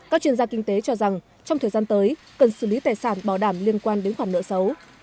các chuyên gia kinh tế cho rằng trong thời gian tới cần xử lý tài sản bảo đảm liên quan đến khoản nợ xấu